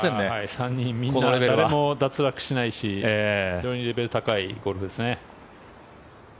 ３人、誰も脱落しないし非常にレベルの高いゴルフですね。